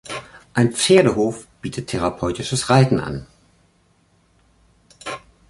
Ein Pferdehof bietet therapeutisches Reiten an.